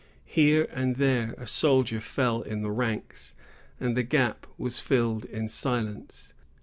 Here and there a soldier fell in the ranks, and the gap was filled in silence.